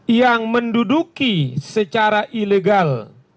yang menduduki secara ilegal